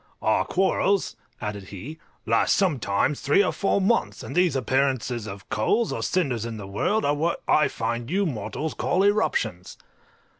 "Our quarrels," added he, "last sometimes three or four months, and these appearances of coals or cinders in the world are what I find you mortals call eruptions."